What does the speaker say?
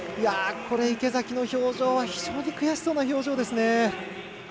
池崎の表情非常に悔しそうな表情ですね。